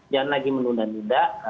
jangan lagi menunda nunda